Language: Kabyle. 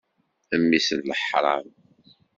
Mmi-s n leḥṛam!